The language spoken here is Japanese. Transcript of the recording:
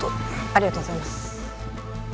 ありがとうございます。